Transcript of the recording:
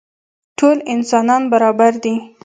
ټول انسانان برابر دي.